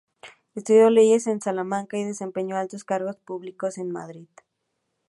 Estudió leyes en Salamanca y desempeñó altos cargos públicos en Madrid.